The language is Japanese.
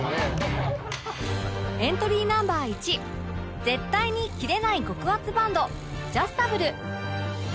エントリー Ｎｏ．１絶対に切れない極厚バンドジャスタブル